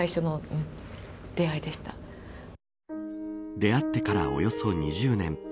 出会ってからおよそ２０年